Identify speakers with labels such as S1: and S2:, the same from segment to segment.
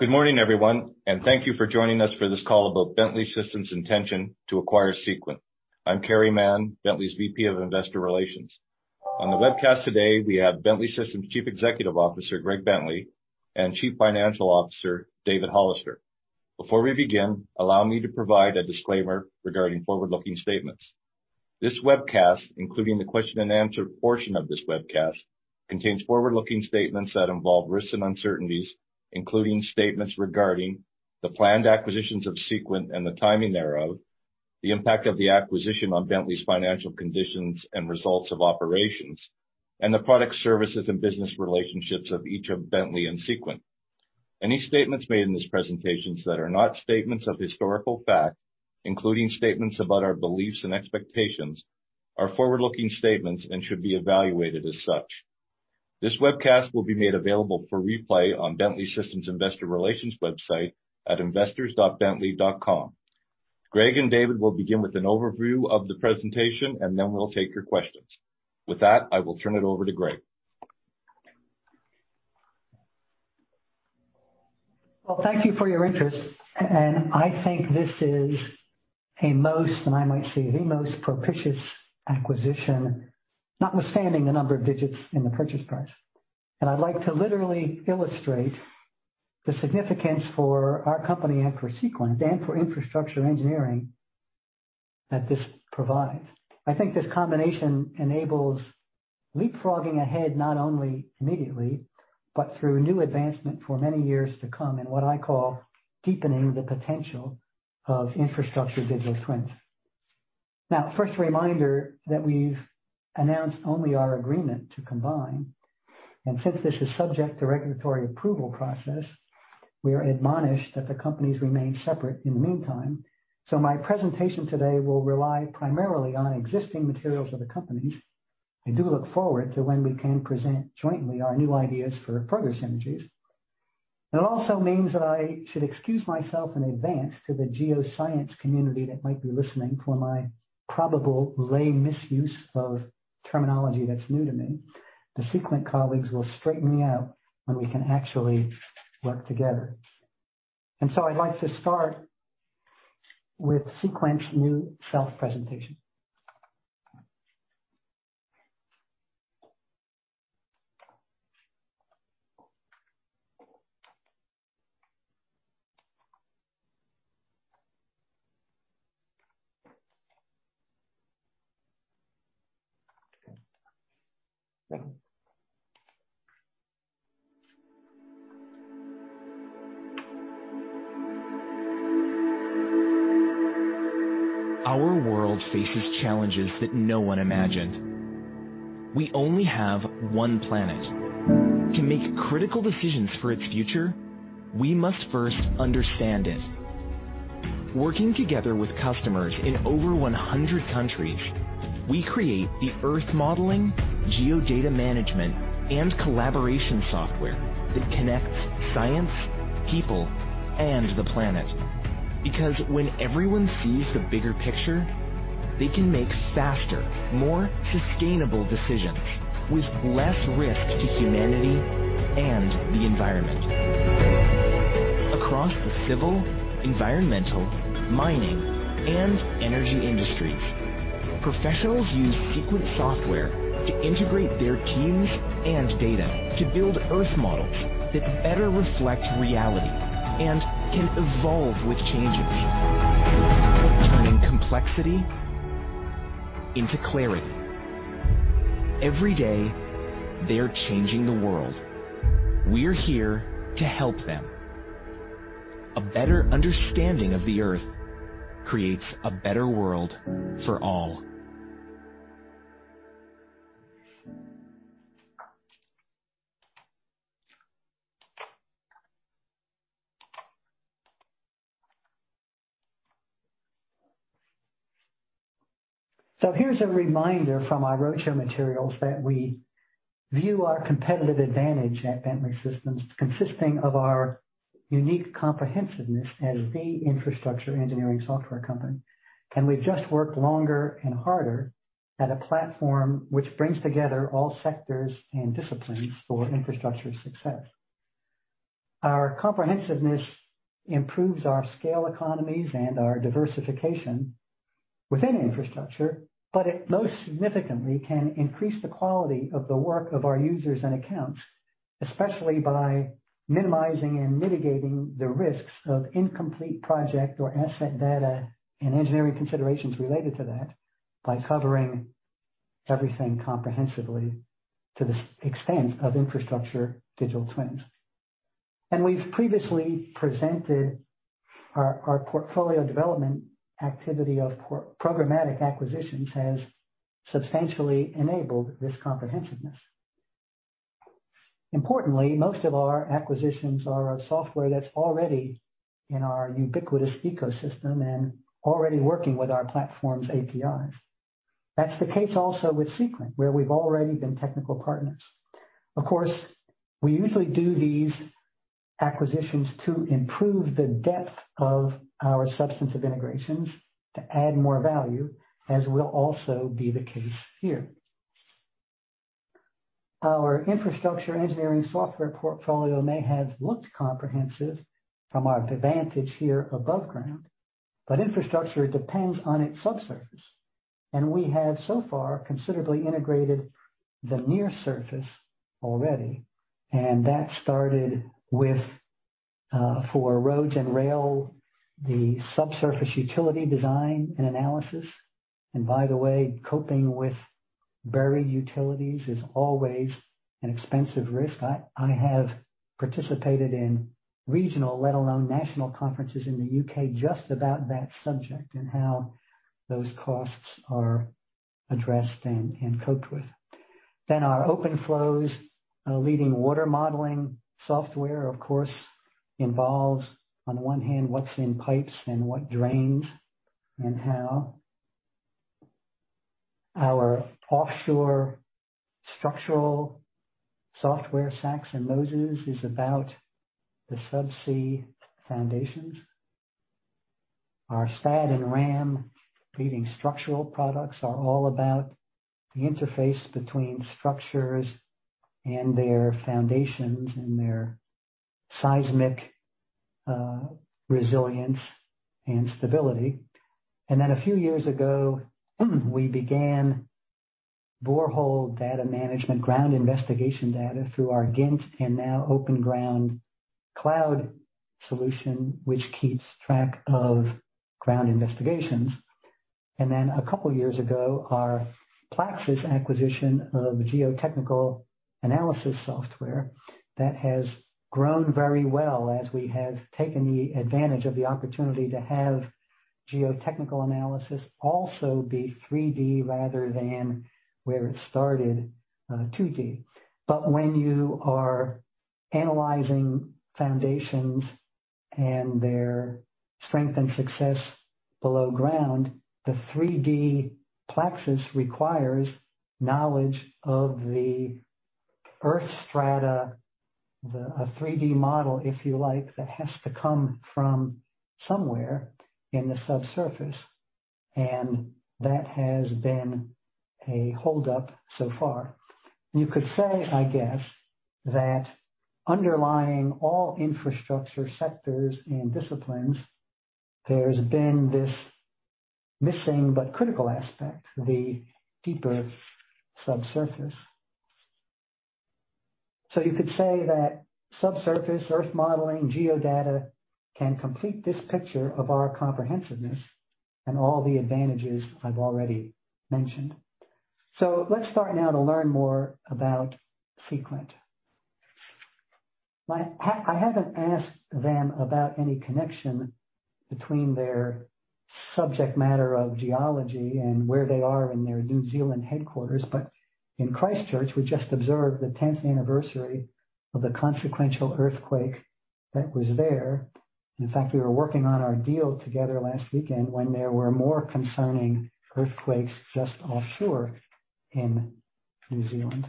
S1: Good morning, everyone, and thank you for joining us for this call about Bentley Systems' intention to acquire Seequent. I'm Carey Mann, Bentley's VP of Investor Relations. On the webcast today, we have Bentley Systems Chief Executive Officer, Greg Bentley, and Chief Financial Officer, David Hollister. Before we begin, allow me to provide a disclaimer regarding forward-looking statements. This webcast, including the question and answer portion of this webcast, contains forward-looking statements that involve risks and uncertainties, including statements regarding the planned acquisitions of Seequent and the timing thereof, the impact of the acquisition on Bentley's financial conditions and results of operations, and the product, services, and business relationships of each of Bentley and Seequent. Any statements made in these presentations that are not statements of historical fact, including statements about our beliefs and expectations, are forward-looking statements and should be evaluated as such. This webcast will be made available for replay on Bentley Systems' Investor Relations website at investors.bentley.com. Greg and David will begin with an overview of the presentation, and then we'll take your questions. With that, I will turn it over to Greg.
S2: Well, thank you for your interest. I think this is a most, and I might say the most, propitious acquisition, notwithstanding the number of digits in the purchase price. I'd like to literally illustrate the significance for our company and for Seequent, and for infrastructure engineering that this provides. I think this combination enables leapfrogging ahead, not only immediately, but through new advancement for many years to come, in what I call deepening the potential of infrastructure digital twins. Now, first a reminder that we've announced only our agreement to combine, and since this is subject to regulatory approval process, we are admonished that the companies remain separate in the meantime. My presentation today will rely primarily on existing materials of the companies. I do look forward to when we can present jointly our new ideas for progress synergies. It also means that I should excuse myself in advance to the geoscience community that might be listening for my probable lay misuse of terminology that's new to me. The Seequent colleagues will straighten me out when we can actually work together. I'd like to start with Seequent's new self-presentation.
S3: Our world faces challenges that no one imagined. We only have one planet. To make critical decisions for its future, we must first understand it. Working together with customers in over 100 countries, we create the Earth modeling, geo data management, and collaboration software that connects science, people, and the planet. Because when everyone sees the bigger picture, they can make faster, more sustainable decisions with less risk to humanity and the environment. Across the civil, environmental, mining, and energy industries, professionals use Seequent software to integrate their teams and data to build Earth models that better reflect reality and can evolve with changes. Turning complexity into clarity. Every day, they are changing the world. We're here to help them. A better understanding of the Earth creates a better world for all.
S2: Here's a reminder from our roadshow materials that we view our competitive advantage at Bentley Systems consisting of our unique comprehensiveness as the infrastructure engineering software company. We've just worked longer and harder at a platform which brings together all sectors and disciplines for infrastructure success. Our comprehensiveness improves our scale economies and our diversification within infrastructure, but it most significantly can increase the quality of the work of our users and accounts, especially by minimizing and mitigating the risks of incomplete project or asset data and engineering considerations related to that by covering everything comprehensively to the extent of infrastructure digital twins. We've previously presented our portfolio development activity of programmatic acquisitions has substantially enabled this comprehensiveness. Importantly, most of our acquisitions are a software that's already in our ubiquitous ecosystem and already working with our platform's APIs. That's the case also with Seequent, where we've already been technical partners. Of course, we usually do these acquisitions to improve the depth of our substance of integrations to add more value, as will also be the case here. Our infrastructure engineering software portfolio may have looked comprehensive from our vantage here above ground, infrastructure depends on its subsurface. We have so far considerably integrated the near surface already, and that started with, for roads and rail, the subsurface utility design and analysis. By the way, coping with buried utilities is always an expensive risk. I have participated in regional, let alone national, conferences in the U.K., just about that subject and how those costs are addressed and coped with. Our OpenFlows, leading water modeling software, of course, involves, on one hand, what's in pipes and what drains and how. Our offshore structural software, SACS and MOSES, is about the sub-sea foundations. Our STAAD and RAM leading structural products are all about the interface between structures and their foundations and their seismic resilience and stability. A few years ago, we began borehole data management ground investigation data through our gINT and now OpenGround Cloud solution, which keeps track of ground investigations. A couple of years ago, our PLAXIS acquisition of geotechnical analysis software that has grown very well as we have taken the advantage of the opportunity to have geotechnical analysis also be 3D rather than where it started, 2D. When you are analyzing foundations and their strength and success below ground, the 3D PLAXIS requires knowledge of the earth strata, a 3D model, if you like, that has to come from somewhere in the subsurface, and that has been a hold-up so far. You could say, I guess, that underlying all infrastructure sectors and disciplines, there's been this missing but critical aspect, the deeper subsurface. You could say that subsurface earth modeling geo-data can complete this picture of our comprehensiveness and all the advantages I've already mentioned. Let's start now to learn more about Seequent. I haven't asked them about any connection between their subject matter of geology and where they are in their New Zealand headquarters, but in Christchurch, we just observed the 10th anniversary of the consequential earthquake that was there. In fact, we were working on our deal together last weekend when there were more concerning earthquakes just offshore in New Zealand.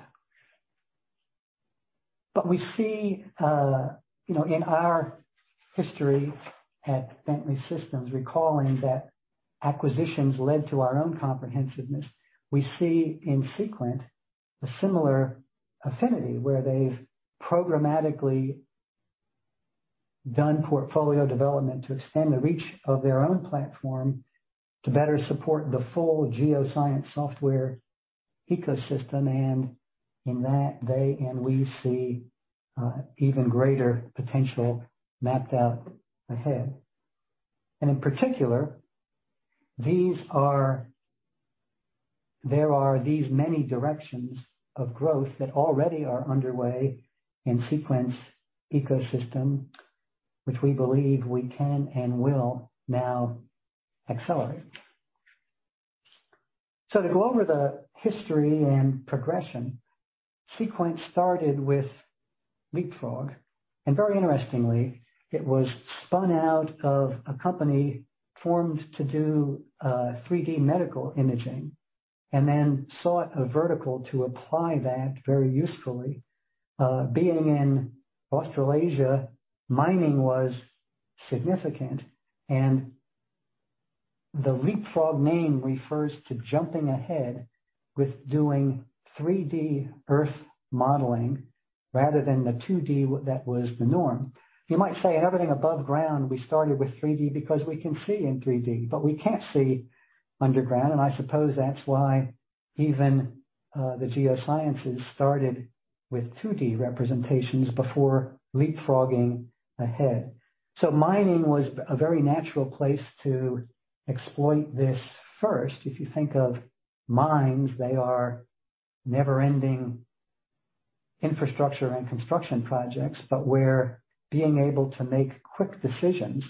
S2: We see, in our history at Bentley Systems, recalling that acquisitions led to our own comprehensiveness, we see in Seequent a similar affinity where they've programmatically done portfolio development to extend the reach of their own platform to better support the full geoscience software ecosystem, and in that, they and we see even greater potential mapped out ahead. In particular, there are these many directions of growth that already are underway in Seequent's ecosystem, which we believe we can and will now accelerate. To go over the history and progression, Seequent started with Leapfrog, and very interestingly, it was spun out of a company formed to do 3D medical imaging and then sought a vertical to apply that very usefully. Being in Australasia, mining was significant, and the Leapfrog name refers to jumping ahead with doing 3D earth modeling rather than the 2D that was the norm. You might say in everything above ground, we started with 3D because we can see in 3D, but we can't see underground, and I suppose that's why even the geosciences started with 2D representations before leapfrogging ahead. Mining was a very natural place to exploit this first. If you think of mines, they are never-ending infrastructure and construction projects, but where being able to make quick decisions,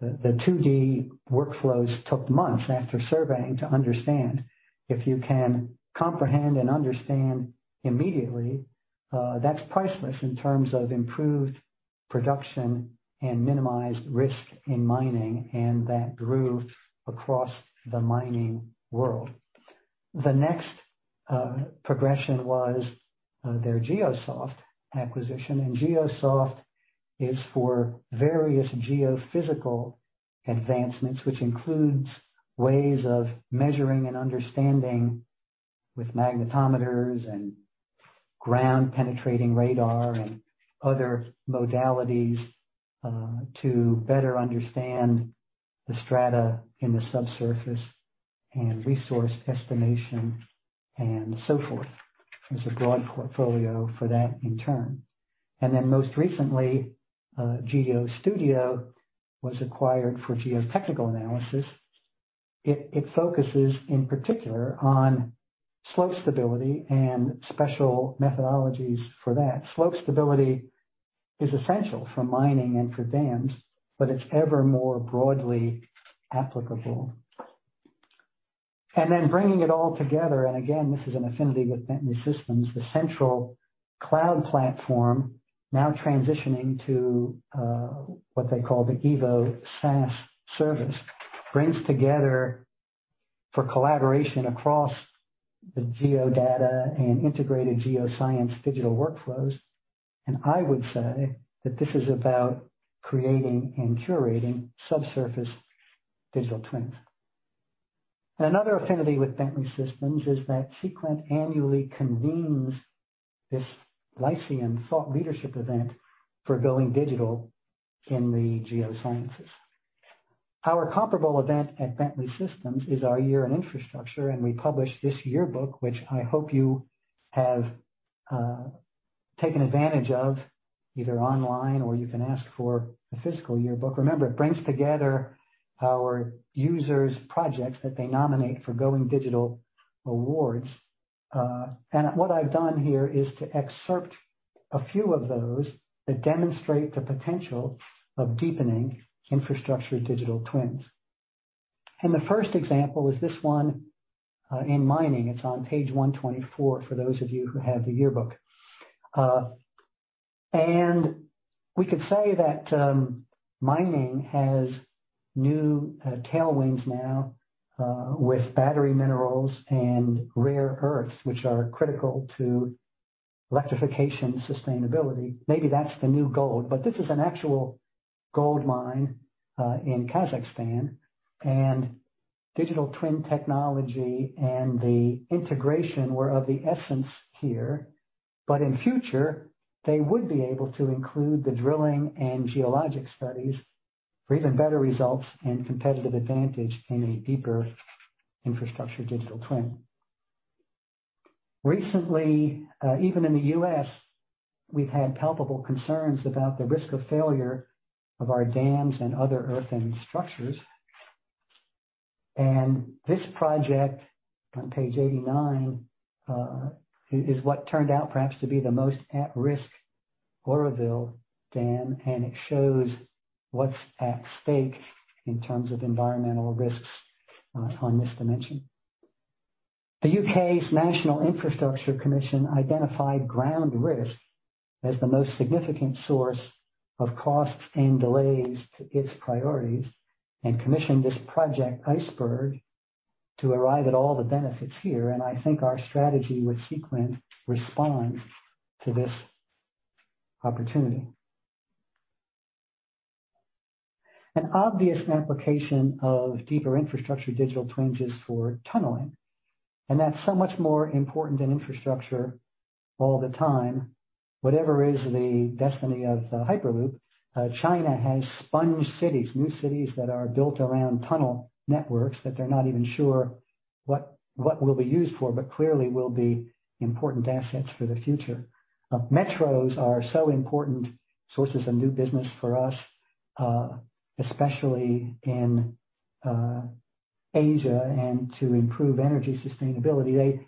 S2: the 2D workflows took months after surveying to understand. If you can comprehend and understand immediately, that's priceless in terms of improved production and minimized risk in mining, and that grew across the mining world. The next progression was their Geosoft acquisition, and Geosoft is for various geophysical advancements, which includes ways of measuring and understanding with magnetometers and ground-penetrating radar and other modalities to better understand the strata in the subsurface and resource estimation and so forth. There's a broad portfolio for that in turn. Most recently, GeoStudio was acquired for geotechnical analysis. It focuses in particular on slope stability and special methodologies for that. Slope stability is essential for mining and for dams, but it's ever more broadly applicable. Bringing it all together, again, this is an affinity with Bentley Systems, the central cloud platform now transitioning to what they call the Evo SaaS service, brings together for collaboration across the geodata and integrated geoscience digital workflows. I would say that this is about creating and curating subsurface digital twins. Another affinity with Bentley Systems is that Seequent annually convenes this Lyceum thought leadership event for Going Digital in the geosciences. Our comparable event at Bentley Systems is our Year in Infrastructure. We publish this yearbook, which I hope you have taken advantage of, either online, or you can ask for a physical yearbook. Remember, it brings together our users' projects that they nominate for Going Digital Awards. What I've done here is to excerpt a few of those that demonstrate the potential of deepening infrastructure digital twins. The first example is this one in mining. It's on page 124 for those of you who have the yearbook. We could say that mining has new tailwinds now with battery minerals and rare earths, which are critical to electrification sustainability. Maybe that's the new gold. This is an actual gold mine in Kazakhstan. Digital twin technology and the integration were of the essence here. In future, they would be able to include the drilling and geologic studies for even better results and competitive advantage in a deeper infrastructure digital twin. Recently, even in the U.S., we've had palpable concerns about the risk of failure of our dams and other earthen structures. This project, on page 89, is what turned out perhaps to be the most at-risk, Oroville Dam, and it shows what's at stake in terms of environmental risks on this dimension. The U.K.'s National Infrastructure Commission identified ground risk as the most significant source of costs and delays to its priorities and commissioned this Project Iceberg to arrive at all the benefits here, and I think our strategy with Seequent responds to this opportunity. An obvious application of deeper infrastructure digital twins is for tunneling, and that's so much more important in infrastructure all the time. Whatever is the destiny of Hyperloop, China has sponge cities, new cities that are built around tunnel networks that they're not even sure what will be used for, but clearly will be important assets for the future. Metros are so important sources of new business for us, especially in Asia, and to improve energy sustainability. They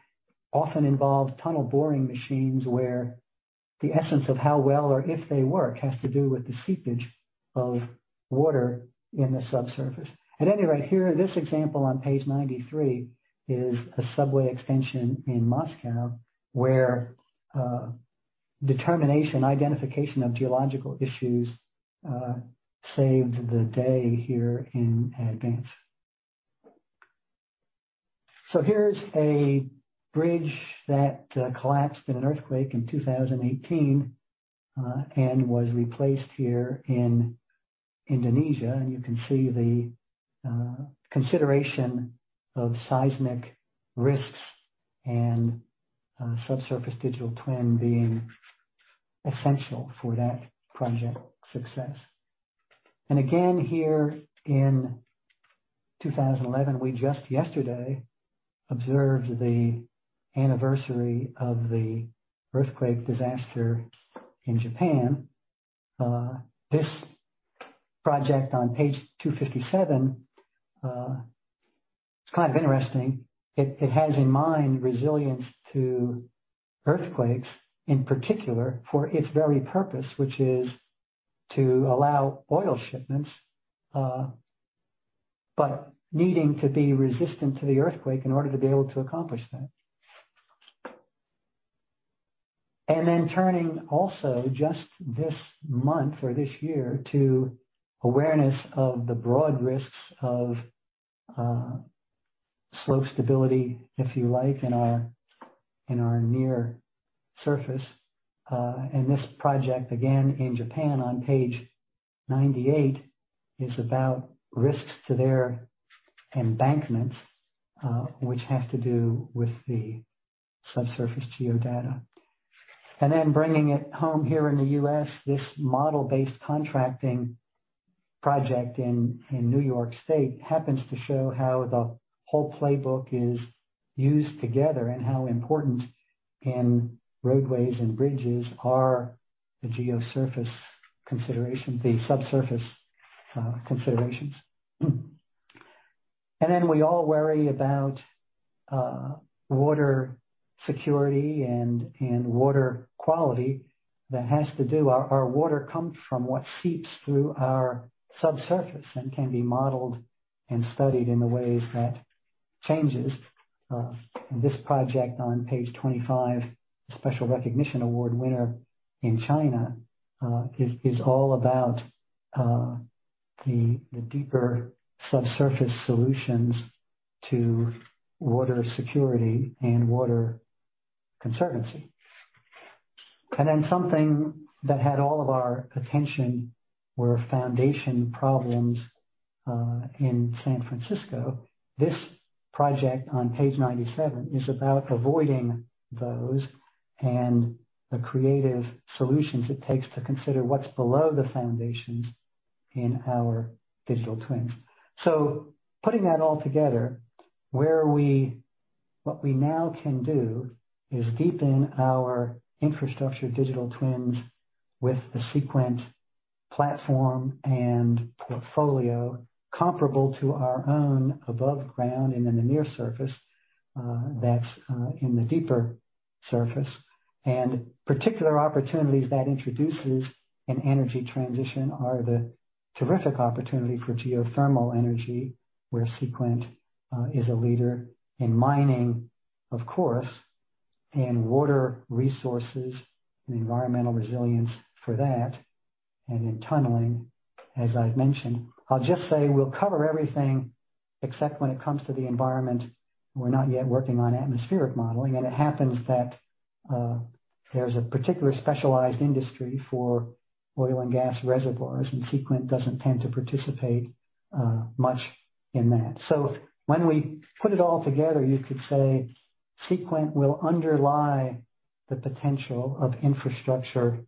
S2: often involve tunnel boring machines, where the essence of how well or if they work has to do with the seepage of water in the subsurface. At any rate, here, this example on page 93 is a subway extension in Moscow where determination, identification of geological issues saved the day here in advance. Here's a bridge that collapsed in an earthquake in 2018 and was replaced here in Indonesia. You can see the consideration of seismic risks and a subsurface digital twin being essential for that project success. Again, here in 2011, we just yesterday observed the anniversary of the earthquake disaster in Japan. This project on page 257, it's kind of interesting. It has in mind resilience to earthquakes, in particular for its very purpose, which is to allow oil shipments, but needing to be resistant to the earthquake in order to be able to accomplish that. Turning also just this month or this year to awareness of the broad risks of Slope stability, if you like, in our near surface. This project, again in Japan on page 98, is about risks to their embankments, which has to do with the subsurface geo-data. Bringing it home here in the U.S., this model-based contracting project in New York State happens to show how the whole playbook is used together, and how important in roadways and bridges are the geosurface consideration, the subsurface considerations. We all worry about water security and water quality. That has to do. Our water comes from what seeps through our subsurface and can be modeled and studied in the ways that changes. This project, on page 25, a special recognition award winner in China, is all about the deeper subsurface solutions to water security and water conservancy. Something that had all of our attention were foundation problems in San Francisco. This project on page 97 is about avoiding those and the creative solutions it takes to consider what's below the foundations in our digital twins. Putting that all together, what we now can do is deepen our infrastructure digital twins with the Seequent platform and portfolio comparable to our own above ground and in the near surface, that's in the deeper surface. Particular opportunities that introduces in energy transition are the terrific opportunity for geothermal energy, where Seequent is a leader in mining, of course, and water resources and environmental resilience for that. In tunneling, as I've mentioned. I'll just say we'll cover everything except when it comes to the environment, we're not yet working on atmospheric modeling. It happens that there's a particular specialized industry for oil and gas reservoirs, and Seequent doesn't tend to participate much in that. When we put it all together, you could say Seequent will underlie the potential of infrastructure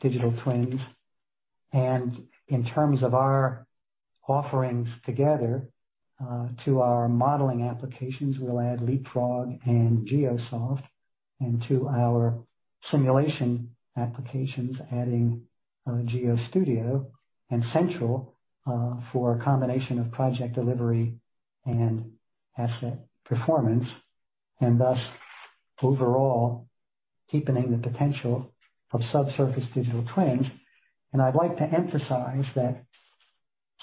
S2: digital twins. In terms of our offerings together, to our modeling applications, we'll add Leapfrog and Geosoft, and to our simulation applications, adding GeoStudio and Central, for a combination of project delivery and asset performance. Thus, overall, deepening the potential of subsurface digital twins. I'd like to emphasize that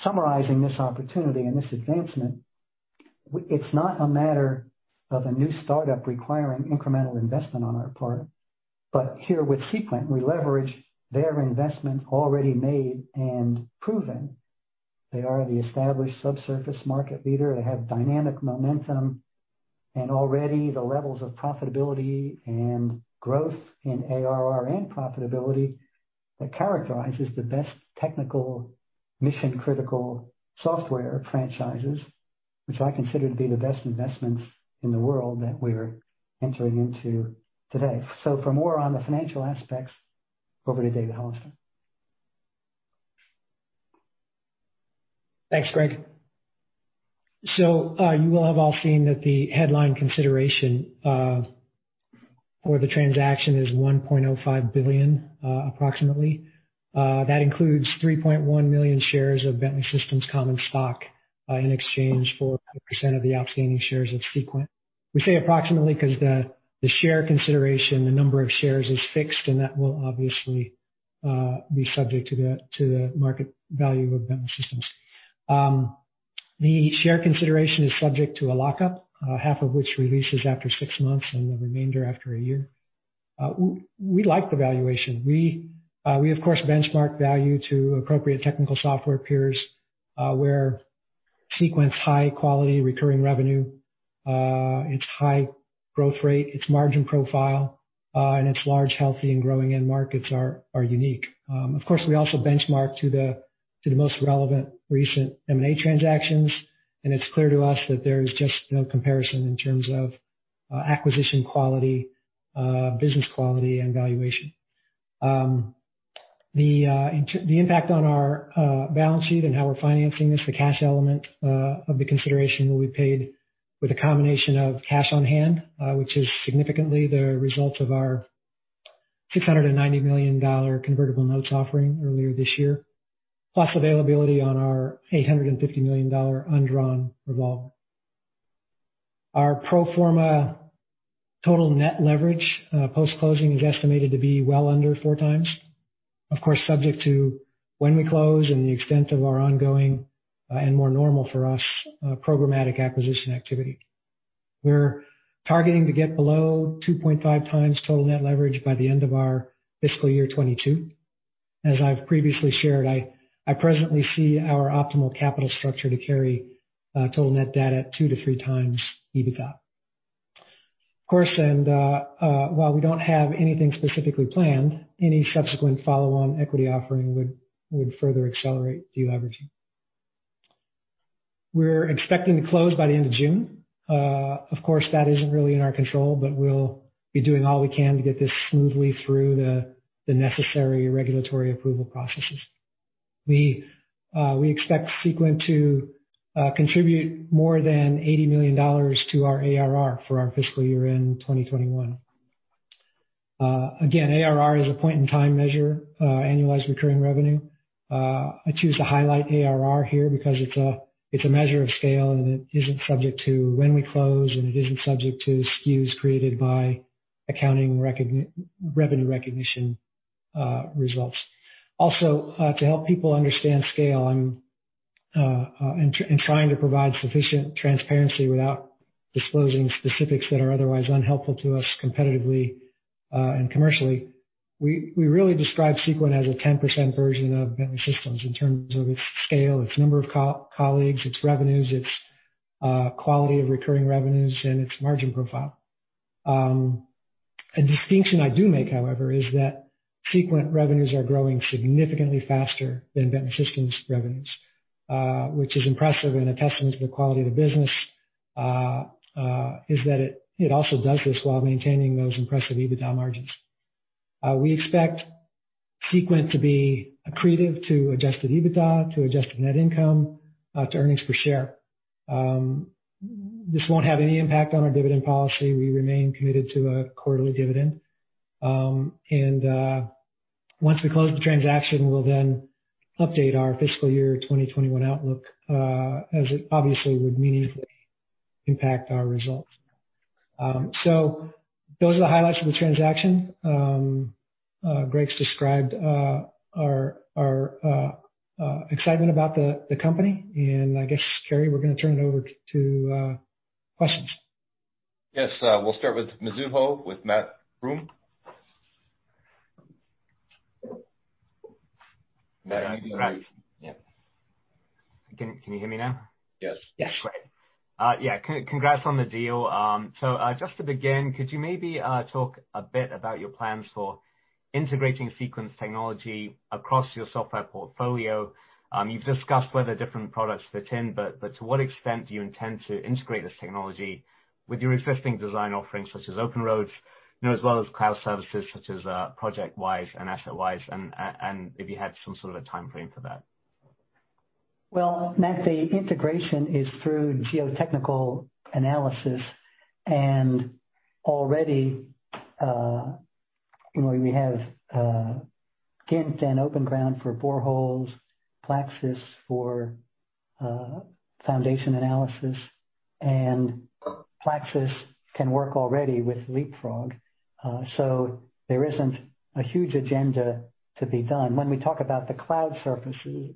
S2: summarizing this opportunity and this advancement, it's not a matter of a new startup requiring incremental investment on our part. Here with Seequent, we leverage their investment already made and proven. They are the established subsurface market leader. They have dynamic momentum and already the levels of profitability and growth in ARR and profitability that characterizes the best technical mission-critical software franchises, which I consider to be the best investments in the world that we're entering into today. For more on the financial aspects, over to David Hollister.
S4: Thanks, Greg. You will have all seen that the headline consideration for the transaction is $1.05 billion, approximately. That includes 3.1 million shares of Bentley Systems common stock in exchange for 100% of the outstanding shares of Seequent. We say approximately because the share consideration, the number of shares is fixed, and that will obviously be subject to the market value of Bentley Systems. The share consideration is subject to a lockup, half of which releases after six months and the remainder after a year. We like the valuation. We, of course, benchmark value to appropriate technical software peers, where Seequent's high-quality recurring revenue, its high growth rate, its margin profile, and its large, healthy, and growing end markets are unique. Of course, we also benchmark to the most relevant recent M&A transactions, and it's clear to us that there's just no comparison in terms of acquisition quality, business quality, and valuation. The impact on our balance sheet and how we're financing this, the cash element of the consideration will be paid with a combination of cash on hand, which is significantly the result of our $690 million convertible notes offering earlier this year, plus availability on our $850 million undrawn revolver. Our pro forma total net leverage, post-closing, is estimated to be well under 4x. Of course, subject to when we close and the extent of our ongoing, and more normal for us, programmatic acquisition activity. We're targeting to get below 2.5x total net leverage by the end of our fiscal year 2022. As I've previously shared, I presently see our optimal capital structure to carry total net debt at 2x to 3x EBITDA. Of course, while we don't have anything specifically planned, any subsequent follow-on equity offering would further accelerate de-leveraging. We're expecting to close by the end of June. Of course, that isn't really in our control; we'll be doing all we can to get this smoothly through the necessary regulatory approval processes. We expect Seequent to contribute more than $80 million to our ARR for our fiscal year-end 2021. Again, ARR is a point-in-time measure, annualized recurring revenue. I choose to highlight ARR here because it's a measure of scale, and it isn't subject to when we close, and it isn't subject to SKUs created by accounting revenue recognition results. To help people understand scale, in trying to provide sufficient transparency without disclosing specifics that are otherwise unhelpful to us competitively and commercially, we really describe Seequent as a 10% version of Bentley Systems in terms of its scale, its number of colleagues, its revenues, its quality of recurring revenues, and its margin profile. A distinction I do make, however, is that Seequent revenues are growing significantly faster than Bentley Systems revenues, which is impressive and a testament to the quality of the business, is that it also does this while maintaining those impressive EBITDA margins. We expect Seequent to be accretive to adjusted EBITDA, to adjusted net income, to earnings per share. This won't have any impact on our dividend policy. We remain committed to a quarterly dividend. Once we close the transaction, we'll then update our fiscal year 2021 outlook, as it obviously would meaningfully impact our results. Those are the highlights of the transaction. Greg's described our excitement about the company, and I guess, Carey, we're going to turn it over to questions.
S1: Yes. We'll start with Mizuho, with Matt Broome. Matt.
S5: Can you hear me now?
S1: Yes.
S4: Yes.
S5: Great. Yeah, congrats on the deal. Just to begin, could you maybe talk a bit about your plans for integrating Seequent's technology across your software portfolio? You've discussed whether different products fit in, but to what extent do you intend to integrate this technology with your existing design offerings, such as OpenRoads, as well as cloud services such as ProjectWise and AssetWise, and if you had some sort of a timeframe for that?
S2: Well, Matt, the integration is through geotechnical analysis. Already, we have gINT and OpenGround for boreholes, PLAXIS for foundation analysis. PLAXIS can work already with Leapfrog. There isn't a huge agenda to be done. When we talk about the cloud services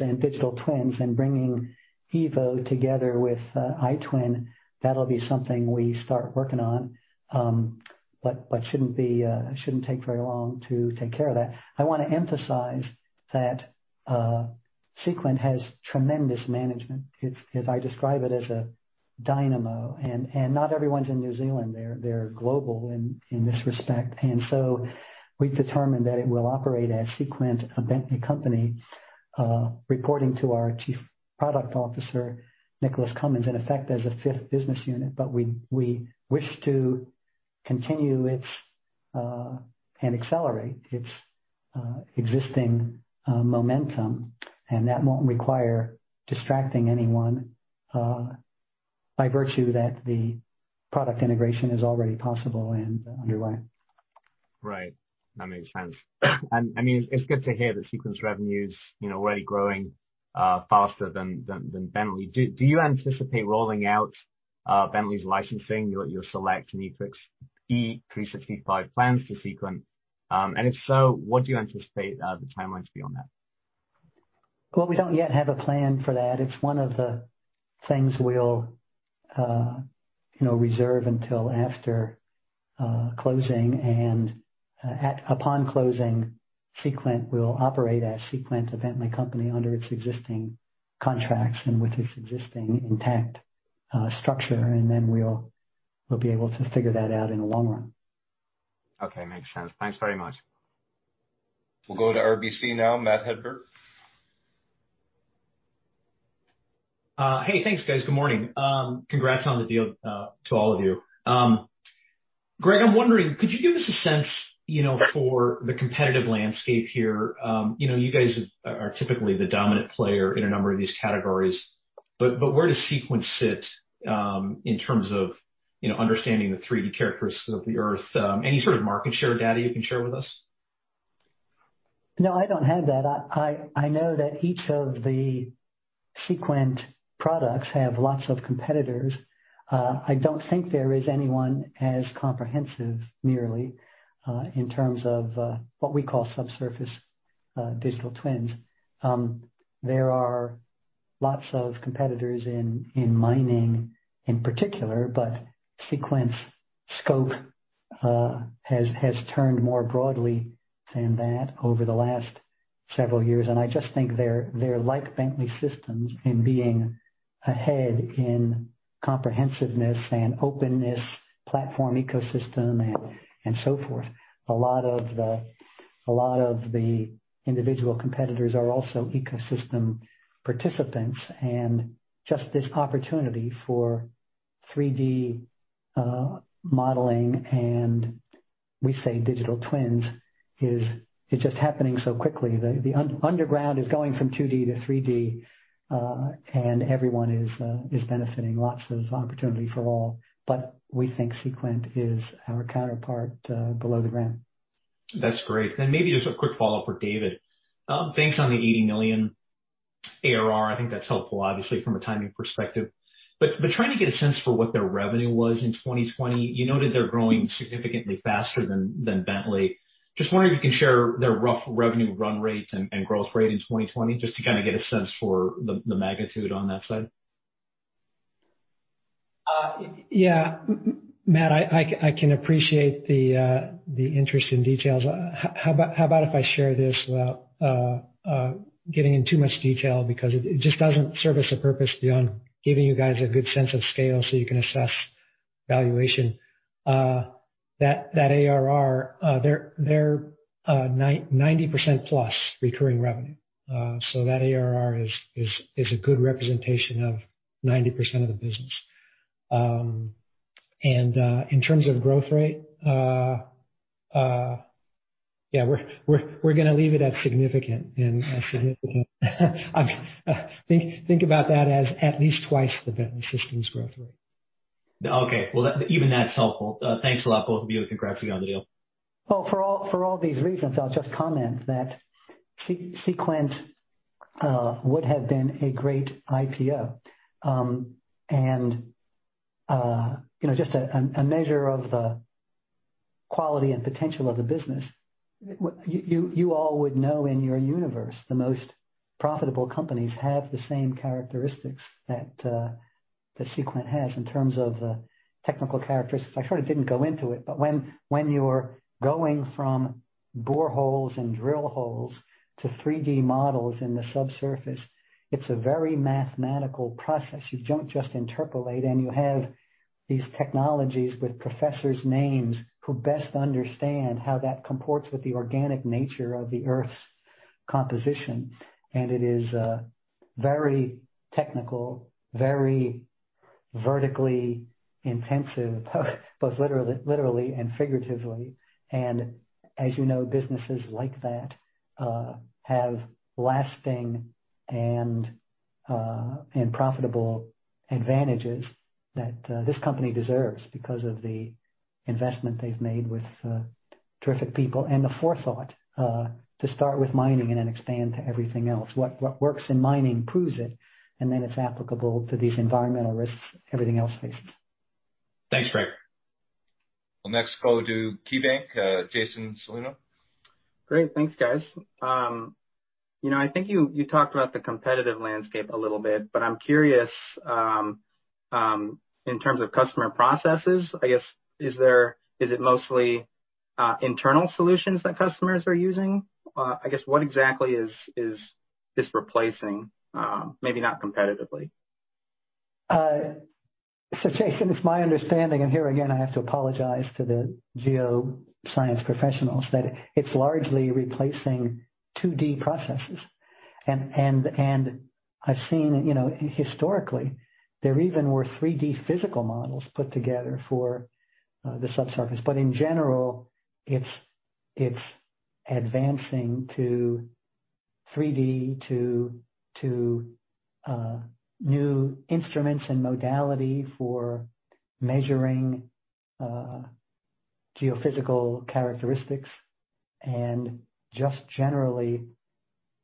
S2: and digital twins and bringing Evo together with iTwin, that'll be something we start working on. Shouldn't take very long to take care of that. I want to emphasize that Seequent has tremendous management. If I describe it as a dynamo. Not everyone's in New Zealand. They're global in this respect. We've determined that it will operate as Seequent, a Bentley company, reporting to our Chief Product Officer, Nicholas Cumins, in effect as a fifth business unit.
S4: We wish to continue its, and accelerate its existing momentum, and that won't require distracting anyone, by virtue that the product integration is already possible and underway.
S5: Right. That makes sense. It's good to hear that Seequent's revenue's already growing faster than Bentley. Do you anticipate rolling out Bentley's licensing, your SELECT and E365 plans to Seequent? If so, what do you anticipate the timelines to be on that?
S2: Well, we don't yet have a plan for that. It's one of the things we'll reserve until after closing. Upon closing, Seequent will operate as Seequent, a Bentley company, under its existing contracts and with its existing intact structure, and then we'll be able to figure that out in the long run.
S5: Okay. Makes sense. Thanks very much.
S1: We'll go to RBC now. Matt Hedberg.
S6: Hey, thanks, guys. Good morning. Congrats on the deal to all of you. Greg, I'm wondering, could you give us a sense for the competitive landscape here? You guys are typically the dominant player in a number of these categories, but where does Seequent sit in terms of understanding the 3D characteristics of the Earth? Any sort of market share data you can share with us?
S2: No, I don't have that. I know that each of the Seequent products have lots of competitors. I don't think there is anyone as comprehensive, merely, in terms of what we call subsurface. Digital twins. There are lots of competitors in mining, in particular. Seequent's scope has turned more broadly than that over the last several years. I just think they're like Bentley Systems in being ahead in comprehensiveness and openness, platform ecosystem, and so forth. A lot of the individual competitors are also ecosystem participants. Just this opportunity for 3D modeling and we say digital twins is just happening so quickly. The underground is going from 2D to 3D. Everyone is benefiting. Lots of opportunity for all. We think Seequent is our counterpart below the ground.
S6: That's great. Maybe just a quick follow-up for David. Thanks on the $80 million ARR. I think that's helpful, obviously, from a timing perspective. Trying to get a sense for what their revenue was in 2020. You noted they're growing significantly faster than Bentley. Just wondering if you can share their rough revenue run rates and growth rate in 2020, just to kind of get a sense for the magnitude on that side.
S4: Matt, I can appreciate the interest in details. How about if I share this without getting into much detail because it just doesn't service a purpose beyond giving you guys a good sense of scale so you can assess valuation. That ARR, they're 90%+ recurring revenue. That ARR is a good representation of 90% of the business. In terms of growth rate, we're going to leave it at significant. Think about that as at least twice the Bentley Systems growth rate.
S6: Okay. Well, even that's helpful. Thanks a lot, both of you, and congrats again on the deal.
S2: Well, for all these reasons, I'll just comment that Seequent would have been a great IPO. Just a measure of the quality and potential of the business, you all would know in your universe, the most profitable companies have the same characteristics that Seequent has in terms of technical characteristics. I sort of didn't go into it, but when you're going from boreholes and drill holes to 3D models in the subsurface, it's a very mathematical process. You don't just interpolate, and you have these technologies with professors' names who best understand how that comports with the organic nature of the Earth's composition. It is very technical, very vertically intensive, both literally and figuratively. As you know, businesses like that have lasting and profitable advantages that this company deserves because of the investment they've made with terrific people and the forethought to start with mining and then expand to everything else. What works in mining proves it, and then it's applicable to these environmental risks everything else faces.
S6: Thanks, Greg.
S1: Well, next call to KeyBanc, Jason Celino.
S7: Great. Thanks, guys. I think you talked about the competitive landscape a little bit, but I'm curious, in terms of customer processes, I guess, is it mostly internal solutions that customers are using? I guess, what exactly is this replacing? Maybe not competitively.
S2: Jason, it's my understanding, and here again, I have to apologize to the geoscience professionals, that it's largely replacing 2D processes. I've seen historically, there even were 3D physical models put together for the subsurface. In general, it's advancing to 3D, to new instruments and modality for measuring geophysical characteristics and just generally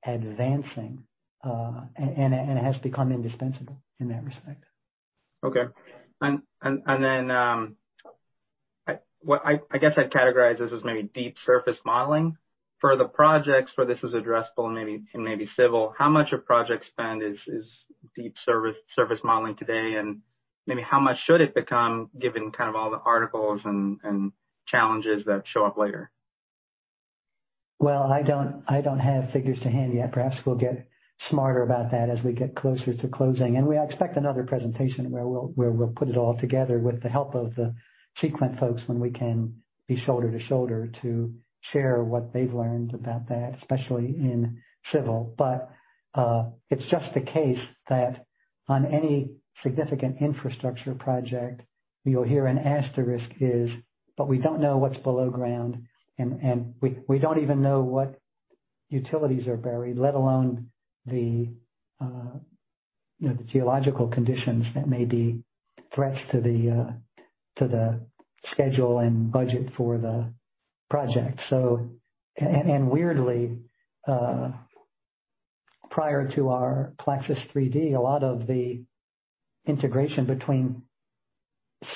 S2: advancing. It has become indispensable in that respect.
S7: Okay. Then, I guess I'd categorize this as maybe deep surface modeling. For the projects where this was addressable and maybe civil, how much of project spend is deep surface modeling today, and maybe how much should it become given all the articles and challenges that show up later?
S2: Well, I don't have figures to hand yet. Perhaps we'll get smarter about that as we get closer to closing. We expect another presentation where we'll put it all together with the help of the Seequent folks when we can be shoulder to shoulder to share what they've learned about that, especially in civil. It's just the case that on any significant infrastructure project, you'll hear an asterisk is, but we don't know what's below ground, and we don't even know what utilities are buried, let alone the geological conditions that may be threats to the schedule and budget for the project. Prior to our PLAXIS 3D, a lot of the integration between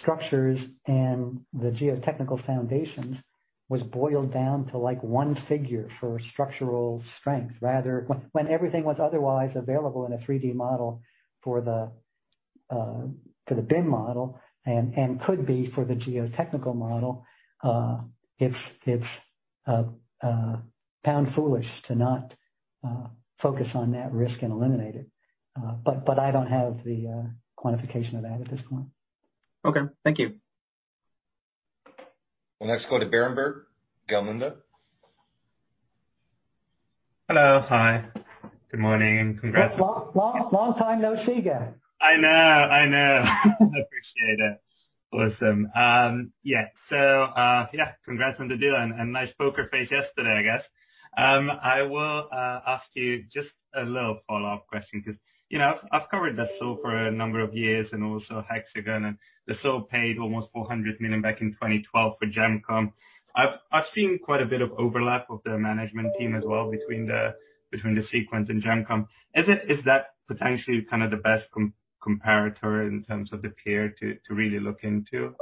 S2: structures and the geotechnical foundations was boiled down to one figure for structural strength. Rather, when everything was otherwise available in a 3D model for the BIM model and could be for the geotechnical model, it's pound foolish to not focus on that risk and eliminate it. I don't have the quantification of that at this point.
S7: Okay. Thank you.
S1: We'll next go to Berenberg, Gal Munda.
S8: Hello. Hi. Good morning, and congrats.
S2: Long time no see, Gal.
S8: I know. I appreciate it. Awesome. Yeah. Congrats on the deal and nice poker face yesterday, I guess. I will ask you just a little follow-up question because I've covered Bentley Systems for a number of years, and also Hexagon, and Bentley Systems paid almost $400 million back in 2012 for Gemcom. I've seen quite a bit of overlap of the management team as well between Seequent and Gemcom. Is that potentially the best comparator in terms of the peer to really look into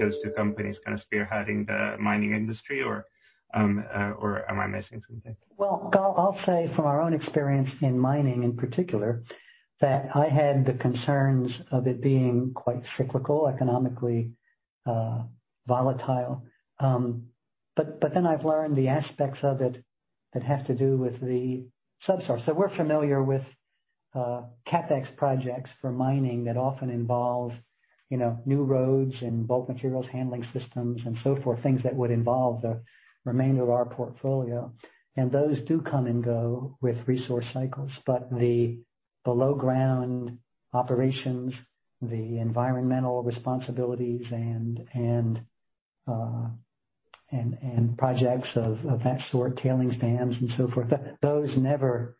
S8: those two companies spearheading the mining industry, or am I missing something?
S2: Well, Gal, I'll say from our own experience in mining in particular, that I had the concerns of it being quite cyclical, economically volatile. I've learned the aspects of it that have to do with the subsurface. We're familiar with CapEx projects for mining that often involve new roads and bulk materials handling systems, and so forth, things that would involve the remainder of our portfolio. Those do come and go with resource cycles. The below-ground operations, the environmental responsibilities and projects of that sort, tailings dams and so forth, those never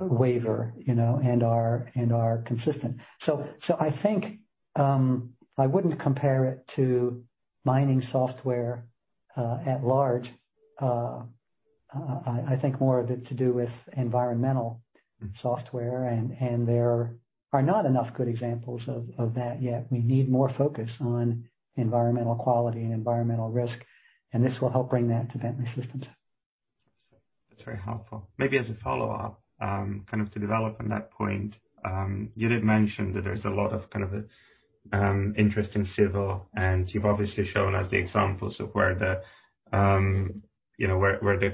S2: waver and are consistent. I think I wouldn't compare it to mining software at large. I think more of it to do with environmental software; there are not enough good examples of that yet. We need more focus on environmental quality and environmental risk, and this will help bring that to Bentley Systems.
S8: That's very helpful. Maybe as a follow-up, to develop on that point, you did mention that there's a lot of interest in civil, and you've obviously shown us the examples of where the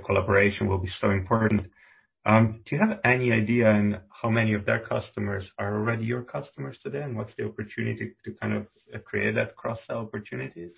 S8: collaboration will be so important. Do you have any idea on how many of their customers are already your customers today, and what's the opportunity to create that cross-sell opportunities?